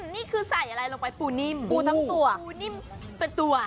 นี่คือใส่อะไรลงไปปูนิ่มปูทั้งตัวปูนิ่มเป็นตัว